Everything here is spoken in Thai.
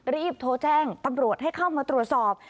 รีบโทรแจ้งตำรวจให้เข้ามาตรวจสอบ